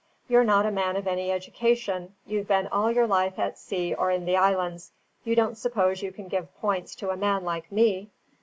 You're not a man of any education; you've been all your life at sea or in the islands; you don't suppose you can give points to a man like me?"